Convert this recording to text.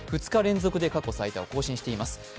２日連続で過去最多を更新しています。